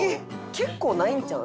結構ないんちゃうん？